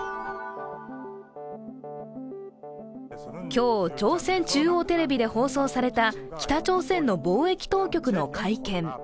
今日、朝鮮中央テレビで放送された北朝鮮の防疫当局の会見。